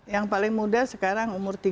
yang paling muda sekarang umur tiga puluh